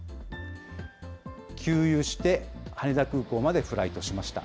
給油して羽田空港までフライトしました。